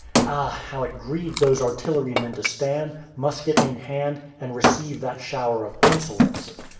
Ah! how it grieved those artillerymen to stand, musket in hand, and receive that shower of insolence.